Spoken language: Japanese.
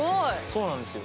そうなんですよ。